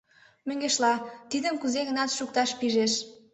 Мӧҥгешла, тидым кузе-гынат шукташ пижеш.